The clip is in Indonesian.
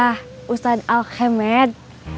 kalau ustadz al kemet